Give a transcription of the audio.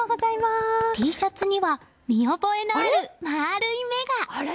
Ｔシャツには見覚えのある丸い目が。